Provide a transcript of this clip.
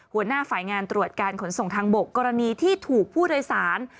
หัวหน้าฝ่ายงานตรวจการขนส่งทางบกกรณีที่ถูกผู้โดยสาร